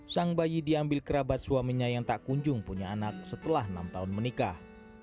sang bayi diambil kerabat suaminya yang tak kunjung punya anak setelah enam tahun menikah